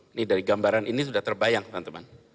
ini dari gambaran ini sudah terbayang teman teman